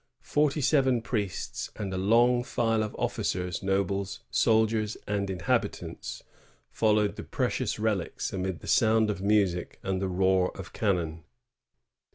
Forty seven priests, and a long file of officers, nobles, soldiers, and inhabitants, followed the precious relics amid the sound of music and the roar of cannon.'